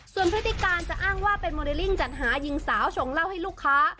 ส่วนพฤติการจะอ้างว่าเป็นโมเดลลิ่งจัดหายิงสาวชงเหล้าให้ลูกค้า